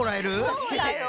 そうだよ。